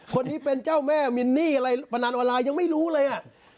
คนนี้เป็นเจ้าแม่มินนี่อะไรพนันออนไลน์ยังไม่รู้เลยอ่ะ